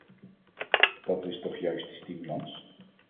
Dat is toch juist de stimulans.